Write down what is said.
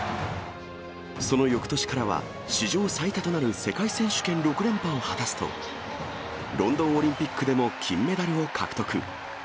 そのよくとしからは、史上最多となる世界選手権６連覇を果たすと、ロンドンオリンピックでも金メダルを獲得。